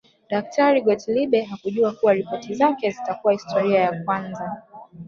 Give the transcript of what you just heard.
Daktari Gottlieb hakujua kuwa ripoti zake zitakuwa historia ya kwanza